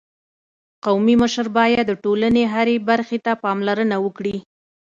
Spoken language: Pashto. قومي مشر باید د ټولني هري برخي ته پاملرنه وکړي.